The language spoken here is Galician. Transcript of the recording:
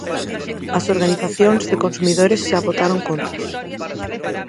As organizacións de consumidores xa botaron contas.